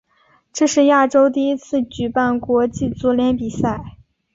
这是亚洲第一次举办国际足联比赛。